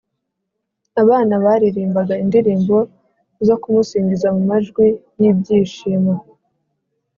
abana baririmbaga indirimbo zo kumusingiza mu majwi y’ibyishimo